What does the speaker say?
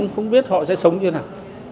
không biết họ sẽ sống như thế nào